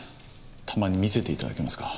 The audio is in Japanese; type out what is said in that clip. たまに見せて頂けますか。